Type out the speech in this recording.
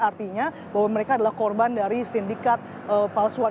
artinya bahwa mereka adalah korban dari sindikat palsuan